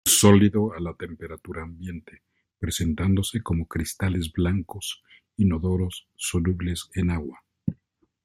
Es sólido a la temperatura ambiente, presentándose como cristales blancos inodoros, solubles en agua.